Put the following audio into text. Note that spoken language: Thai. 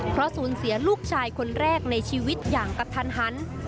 เพราะสูญเสียลูกชายคนแรกในชีวิตอย่างกระทันหัน